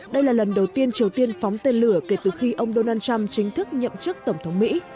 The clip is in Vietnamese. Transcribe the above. đây là lần đầu tiên triều tiên phóng tên lửa kể từ khi ông donald trump chính thức nhậm chức tổng thống mỹ